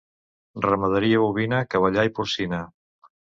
Ramaderia bovina, cavallar i porcina.